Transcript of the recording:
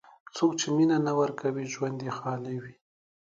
څوک چې مینه نه ورکوي، ژوند یې خالي وي.